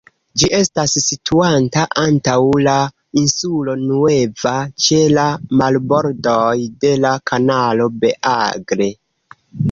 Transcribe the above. Ĝi estas situanta antaŭ la Insulo Nueva, ĉe la marbordoj de la Kanalo Beagle.